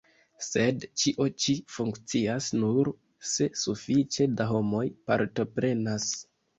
Sed ĉio ĉi funkcias nur se sufiĉe da homoj partoprenas.